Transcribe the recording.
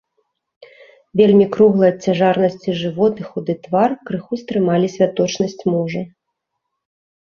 Вельмі круглы ад цяжарнасці жывот і худы твар крыху стрымалі святочнасць мужа.